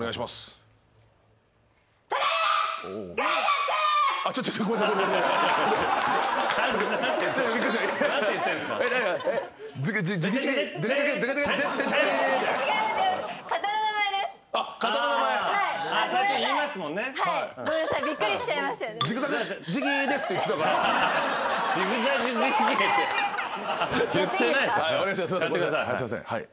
すいませんはい。